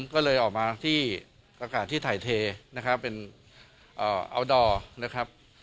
ก็เลยออกมาที่อากาศที่ถ่ายเทนะครับเป็นอัลดอร์นะครับ